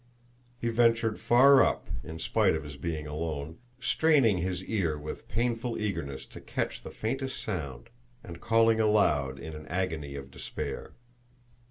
He ventured far up in spite of his being alone, straining his ear with painful eagerness to catch the faintest sound, and calling aloud in an agony of despair.